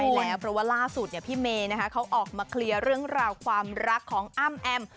ใช่แล้วเพราะว่าล่าสุดพี่เมย์เขาออกมาเคลียร์เรื่องราวความรักของอ้ำแอม